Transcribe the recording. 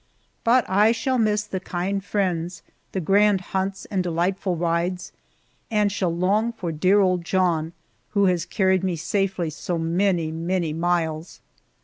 But I shall miss the kind friends, the grand hunts and delightful rides, and shall long for dear old John, who has carried me safely so many, many miles.